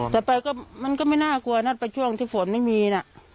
แต่ไปก็มันก็ไม่น่ากลัวนะไปช่วงที่ฝนไม่มีน่ะ